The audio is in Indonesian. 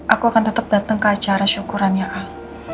aku akan tetep dateng ke acara syukuran ya al